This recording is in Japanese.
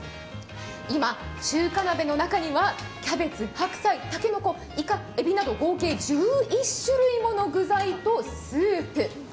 今、中華鍋の中にはキャベツ、白菜、竹の子、いか、えびなど合計１１種類もの具材とスープ。